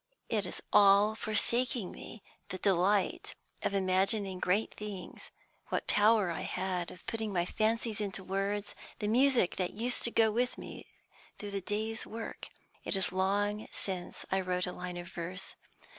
It is all forsaking me, the delight of imagining great things, what power I had of putting my fancies into words, the music that used to go with me through the day's work. It is long since I wrote a line of verse.